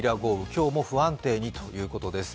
今日も不安定にということです。